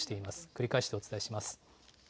繰り返してお伝えします。